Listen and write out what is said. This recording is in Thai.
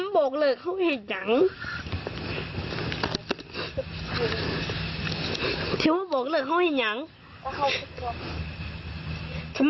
บอกก็จะยินต้ายไปดี